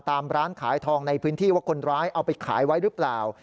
ตามร้านขายทองในพื้นที่ว่าคนร้ายเอาไปขายไว้หรือเปล่า